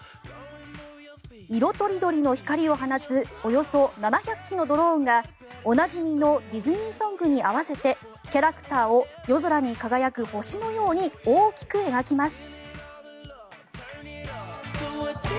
色とりどりの光を放つおよそ７００機のドローンがおなじみのディズニーソングに合わせてキャラクターを夜空に輝く星のように大きく描きます。